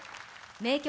名曲